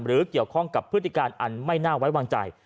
หรือเกี่ยวข้องกับพฤติการอันไม่น่าไว้วางใจ